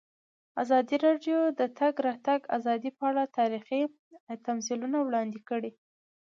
ازادي راډیو د د تګ راتګ ازادي په اړه تاریخي تمثیلونه وړاندې کړي.